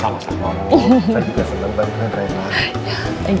saya juga senang banget antarin reyna